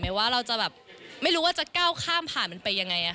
ว่าเราจะแบบไม่รู้ว่าจะก้าวข้ามผ่านมันไปยังไง